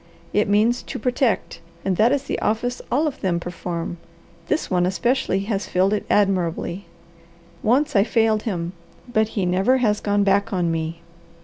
It means 'to protect' and that is the office all of them perform; this one especially has filled it admirably. Once I failed him, but he never has gone back on me.